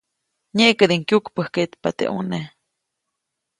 Nyeʼkädiʼuŋ kyukpäjkkeʼtpa teʼ ʼuneʼ.